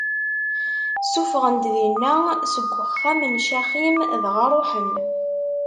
Ssufɣen-d Dina seg uxxam n Caxim, dɣa ṛuḥen.